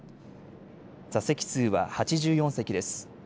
座席数は８４席です。